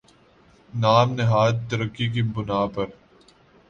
نام نہاد ترقی کی بنا پر